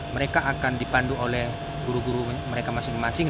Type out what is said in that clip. mereka akan dipandu oleh guru guru mereka masing masing